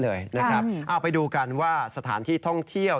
เอาไปดูกันว่าสถานที่ท่องเที่ยว